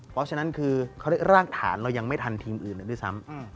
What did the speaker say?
เพราะฉะนั้นคือเขาเรียกรากฐานเรายังไม่ทันทีมอื่นเลยด้วยซ้ำ